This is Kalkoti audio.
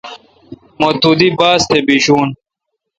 م تو دی باس تہ بیشون۔